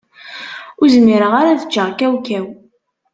Ur zmireɣ ara ad ččeɣ kawkaw.